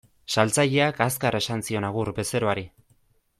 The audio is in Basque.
Saltzaileak azkar esan zion agur bezeroari.